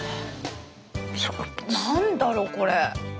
何だろうこれ。